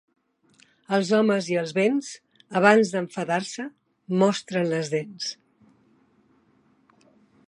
Els homes i els vents, abans d'enfadar-se, mostren les dents.